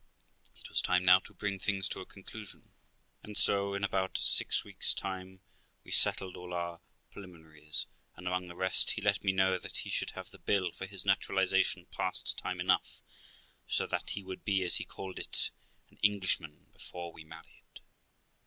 It was time now to bring things to a conclusion, and so in about six weeks' time more we settled all our preliminaries; and, among the rest, he let me know that he should have the bill for his naturalisation passed time enough, so that he would be (as he called it) an Englishman before we married.